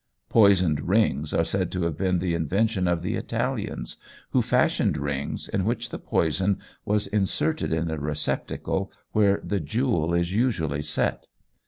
Poisoned rings are said to have been the invention of the Italians, who fashioned rings in which the poison was inserted in a receptacle where the jewel is usually set.